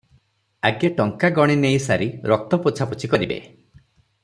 ଆଗେ ଟଙ୍କା ଗଣିନେଇ ସାରି ରକ୍ତ ପୋଛାପୋଛି କରିବେ ।